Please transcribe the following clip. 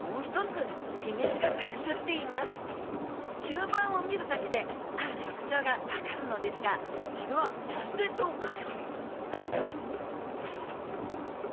吸盤を見るだけであるとくちょうがわかるのですがそれは何でしょうか？